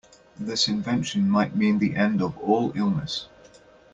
This invention might mean the end of all illness.